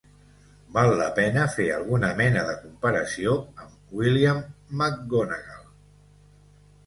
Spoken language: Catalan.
Val la pena fer alguna mena de comparació amb William McGonagall.